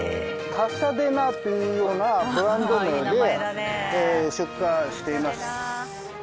達者ｄｅ菜っていうようなブランド名で出荷しています。